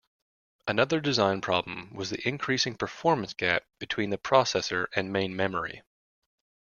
Another design problem was the increasing performance gap between the processor and main memory.